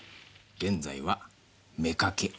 現在は妾。